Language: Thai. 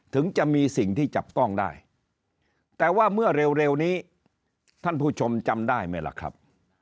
ถึงจะมีสิ่งที่จับต้องได้แต่ว่าเมื่อเร็วนี้ท่านผู้ชมจำได้ไหมล่ะครับ